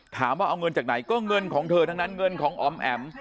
ถามว่าเอาเงินจากไหนก็เงินของเธอทั้งนั้นเงินของอ๋อมแอ๋ม